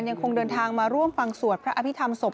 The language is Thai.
ยังคงเดินทางมาร่วมฟังสวดพระอภิษฐรรศพ